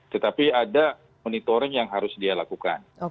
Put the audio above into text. tetapi ada monitoring yang harus dia lakukan